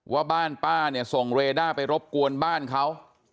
ว่าบ้านป้าเนี่ยส่งเรด้าไปรบกวนบ้านเขา